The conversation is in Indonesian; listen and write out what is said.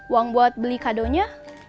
uang buat beli kado nya